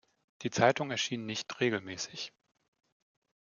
Die Zeitung erschien nicht regelmäßig.